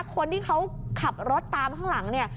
คนที่เขาขับรถตามข้างหลังเนี่ย